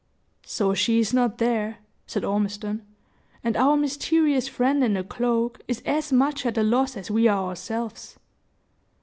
"So she is not there," said Ormiston; "and our mysterious friend in the cloak is as much at a loss as we are ourselves.